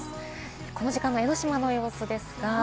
この時間の江の島の様子ですが。